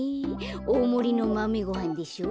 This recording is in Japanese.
おおもりのマメごはんでしょ。